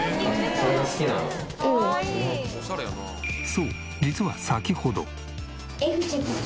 そう実は先ほど。